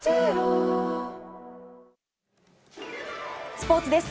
スポーツです。